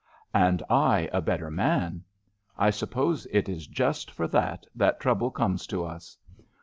"And I a better man. I suppose it is just for that that trouble comes to us.